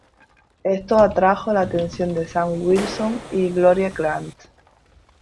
Esto atrajo la atención de Sam Wilson y Gloria Grant.